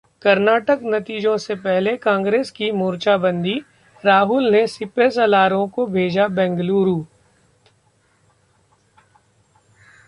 कर्नाटक: नतीजों से पहले कांग्रेस की मोर्चाबंदी, राहुल ने सिपहसालारों को भेजा बेंगलुरु